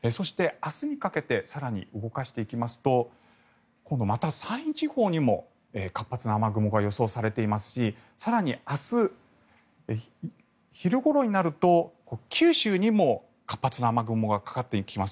明日にかけて更に動かすと山陰地方にも活発な雨雲が予想されていますし更に明日、昼ごろになると九州にも活発な雨雲がかかってきます。